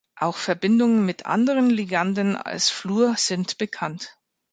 Auch Verbindungen mit anderen Liganden als Fluor sind bekannt.